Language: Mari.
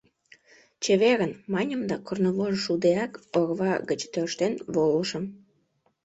— Чеверын! — маньым да, корнывожыш шудеак, орва гыч тӧрштен волышым.